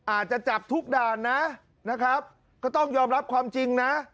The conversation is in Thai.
อาจจะจับทุกด่านนะนะครับก็ต้องยอมรับความจริงนะ